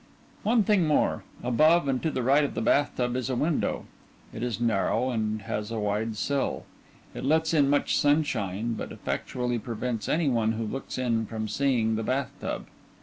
_ _One thing more above and to the right of the bath tub is a window. It is narrow and has a wide sill; it lets in much sunshine, but effectually prevents any one who looks in from seeing the bath tub.